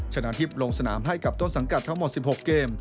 ชนะทิพย์ลงสนามให้กับต้นสังกัดทั้งหมด๑๖เกม